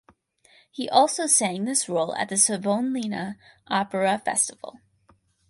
He also sang this role at the Savonlinna Opera Festival.